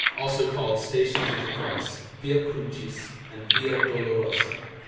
(Also called Stations of the Cross, Via Crucis, and Via Dolorosa).